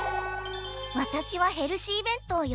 わたしはヘルシーべんとうよ。